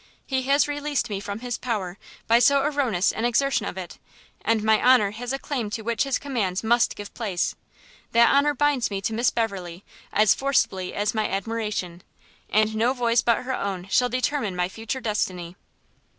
He has released me from his power by so erroneous an exertion of it, and my own honour has a claim to which his commands must give place. That honour binds me to Miss Beverley as forcibly as my admiration, and no voice but her own shall determine my future destiny."